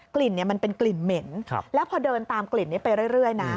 กลิ่นมันเป็นกลิ่นเหม็นแล้วพอเดินตามกลิ่นนี้ไปเรื่อยนะ